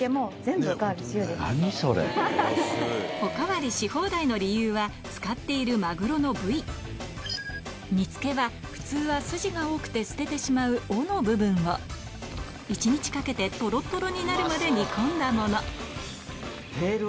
お代わりし放題の理由は使っているマグロの部位煮付けは普通はを１日かけてトロトロになるまで煮込んだもの